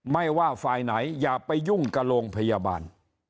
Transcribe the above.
ไม่ว่าฝ่ายไหนอย่าไปยุ่งกับโรงพยาบาล